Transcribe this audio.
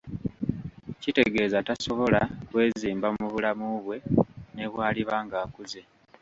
Kitegeeza tasobola kwezimba mu bulamu bwe nebwaliba ng'akuze.